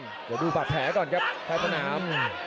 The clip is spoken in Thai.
เดี๋ยวดูบาดแผลก่อนครับท้ายสนาม